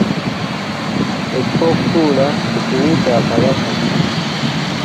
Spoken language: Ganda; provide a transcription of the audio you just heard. Ekifo okutuula ekiwu kya Kabaka.